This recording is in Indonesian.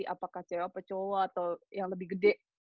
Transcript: apakah cewek apa cowok atau yang lebih gede